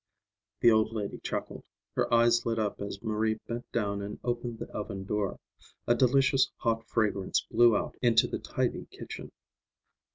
The old lady chuckled. Her eyes lit up as Marie bent down and opened the oven door. A delicious hot fragrance blew out into the tidy kitchen.